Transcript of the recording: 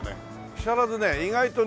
木更津ね意外とね